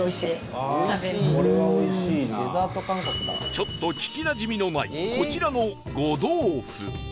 ちょっと聞きなじみのないこちらの呉豆腐